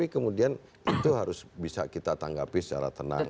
kemudian itu harus bisa kita tanggapi secara tenang